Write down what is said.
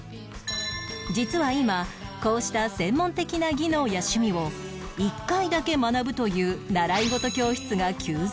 実は今こうした専門的な技能や趣味を１回だけ学ぶという習い事教室が急増中